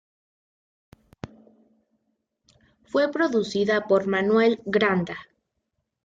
Fue producida por Manuel Granda.